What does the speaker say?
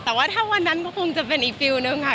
แต่ว่าถ้าวันนั้นก็คงจะเป็นอีกฟิลลนึงค่ะ